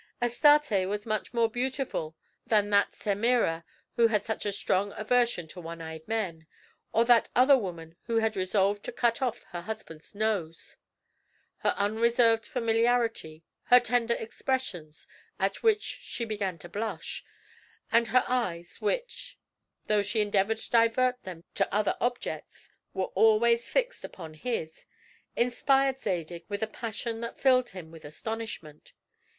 Astarte was much more beautiful than that Semira who had such a strong aversion to one eyed men, or that other woman who had resolved to cut off her husband's nose. Her unreserved familiarity, her tender expressions, at which she began to blush; and her eyes, which, though she endeavored to divert them to other objects, were always fixed upon his, inspired Zadig with a passion that filled him with astonishment.